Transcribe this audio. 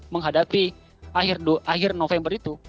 menghadapi akhir november itu